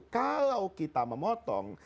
kalau kita memotong